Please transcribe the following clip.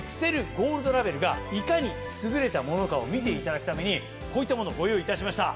ゴールドラベルがいかに優れたものかを見ていただくためにこういったものをご用意いたしました。